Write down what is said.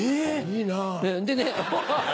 いいなぁ。